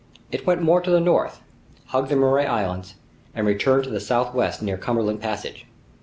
It went more to the north, hugged the Murray Islands, and returned to the southwest near Cumberland Passage.